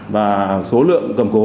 và số lượng cầm cố